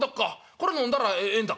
これのんだらええんだっか。